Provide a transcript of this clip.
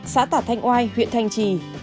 xã tả thanh oai huyện thanh trì